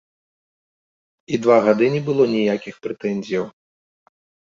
І два гады не было ніякіх прэтэнзіяў.